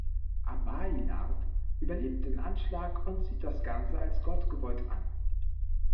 Abaelard überlebt den Anschlag und sieht das Ganze als gottgewollt an.